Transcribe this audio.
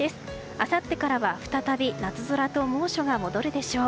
あさってからは再び夏空と猛暑が戻るでしょう。